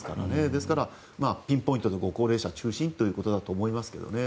ですから、ピンポイントでご高齢者中心ということだと思いますけどね。